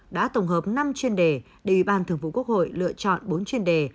đã tổng hợp năm chuyên đề để ủy ban thường vụ quốc hội lựa chọn bốn chuyên đề